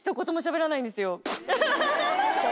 ハハハ。